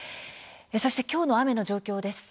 そして、きょうの雨の状況です。